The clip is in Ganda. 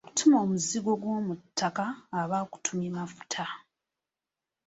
Akutuma omuzigo gwomu ttaka, aba akutumye Mafuta.